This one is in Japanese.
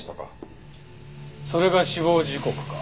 それが死亡時刻か。